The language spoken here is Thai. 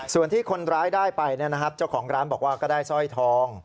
ส่วนที่คนร้ายได้ไปเจ้าของร้านบอกว่าก็ได้สร้อยทอง